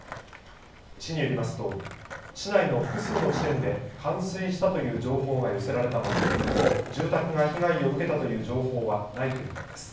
市によりますと、市内の複数の地点で冠水したという情報が寄せられたものの、住宅が被害を受けたという情報はないということです。